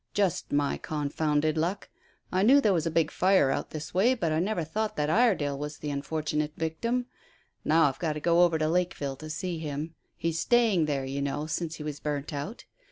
Just my confounded luck. I knew there was a big fire out this way, but I never thought that Iredale was the unfortunate victim. Now I've got to go over to Lakeville to see him he's staying there, you know, since he was burnt out.